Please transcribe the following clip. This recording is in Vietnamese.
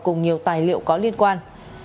cùng nhiều tài liệu có liên quan